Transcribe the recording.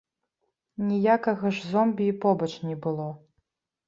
Ніякага ж зомбі і побач не было.